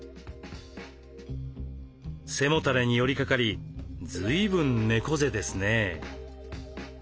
背もたれに寄りかかりずいぶん猫背ですね。